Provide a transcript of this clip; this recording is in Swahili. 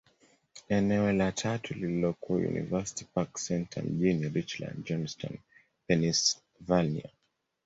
Eneo la tatu lililokuwa University Park Centre, mjini Richland, Johnstown, Pennyslvania.